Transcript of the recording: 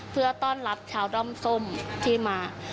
เพื่อต้อนรับชาวด้อมส้มที่มา